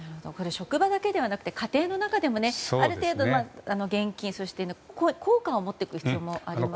職場だけではなくて家庭の中でもある程度の現金硬貨を持っていく必要がありますね。